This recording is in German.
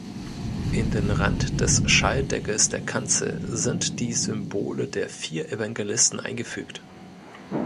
In den Rand des Schalldeckels der Kanzel sind die Symbole der vier Evangelisten eingefügt.